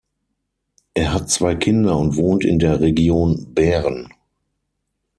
Er hat zwei Kinder und wohnt in der Region Bern.